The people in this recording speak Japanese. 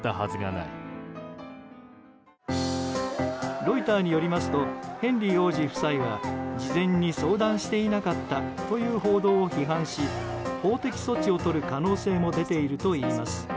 ロイターによりますとヘンリー王子夫妻は事前に相談していなかったという報道を批判し法的措置をとる可能性も出ているといいます。